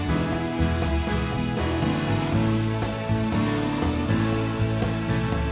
ขอบคุณครับ